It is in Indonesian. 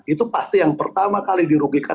itu pasti yang pertama kali dirugikan